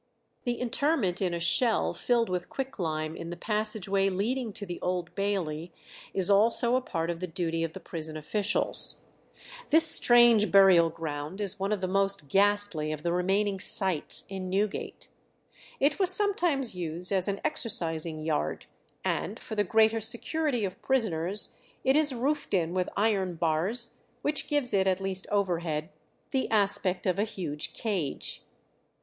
The interment in a shell filled with quicklime in the passage way leading to the Old Bailey is also a part of the duty of the prison officials. This strange burial ground is one of the most ghastly of the remaining "sights" in Newgate. It was sometimes used as an exercising yard, and for the greater security of prisoners it is roofed in with iron bars which gives it, at least overhead, the aspect of a huge cage.